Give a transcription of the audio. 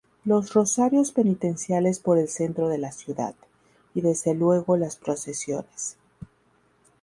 Los rosarios penitenciales por el centro de la ciudad, y desde luego las procesiones.